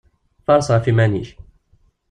Faṛes ɣef yiman-ik!